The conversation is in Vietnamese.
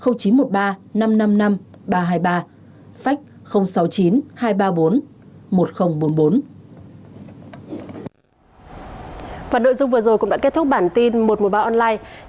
nội dung vừa rồi cũng đã kết thúc bản tin một trăm một mươi ba online